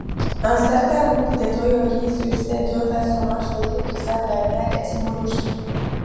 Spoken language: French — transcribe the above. Un certain nombre de théories sur ces deux personnages dérive de cette dernière étymologie.